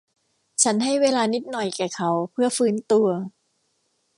ฉันให้เวลานิดหน่อยแก่เขาเพื่อฟื้นตัว